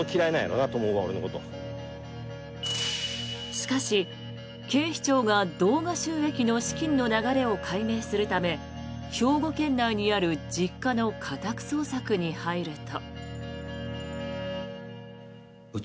しかし、警視庁が動画収益の資金の流れを解明するため兵庫県内にある実家の家宅捜索に入ると。